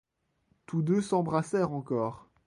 Toutes deux s'embrassèrent encore.